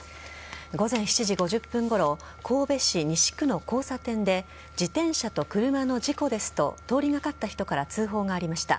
午前７時５０分ごろ神戸市西区の交差点で自転車と車の事故ですと通りかかった人から通報がありました。